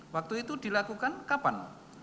waktu itu dilakukan kapan